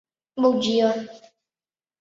祖父叶益良。